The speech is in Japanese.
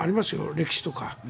歴史とか。